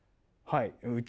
はい。